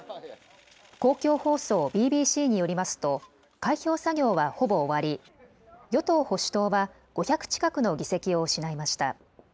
公共放送ＢＢＣによりますと開票作業はほぼ終わり与党保守党は５００近くの議席を失いました。